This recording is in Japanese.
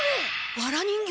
わら人形！